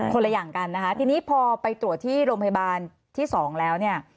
คนละอย่างกันนะคะทีนี้พอไปตรวจที่โรงพยาบาลที่สองแล้วเนี่ย